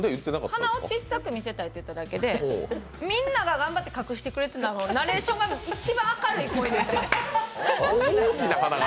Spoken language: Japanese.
鼻を小さく見せたいと言っただけでみんなが頑張って隠してたのをナレーションが一番明るい声で。